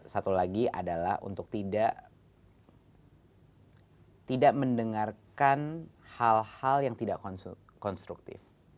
satu lagi adalah untuk tidak mendengarkan hal hal yang tidak konstruktif